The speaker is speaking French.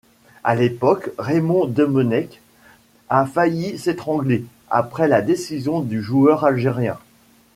À l'époque, Raymond Domenech a failli s'étrangler après la décision du joueur algérien.